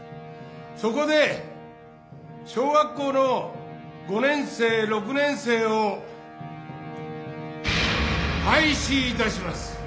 そこで小学校の５年生６年生を廃止いたします」。